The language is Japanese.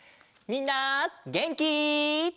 みんなげんき？